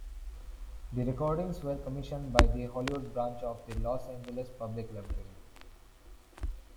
These recordings were commissioned by the Hollywood branch of the Los Angeles Public Library.